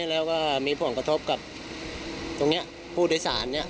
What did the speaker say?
และมีผลกระทบตรงพู่ได้ซาน